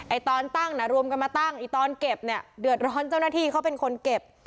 ตอนตั้งน่ะรวมกันมาตั้งอีกตอนเก็บเนี่ยเดือดร้อนเจ้าหน้าที่เขาเป็นคนเก็บ